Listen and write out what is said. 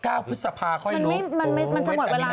เก้าพฤษภาพภูมิแค่รู้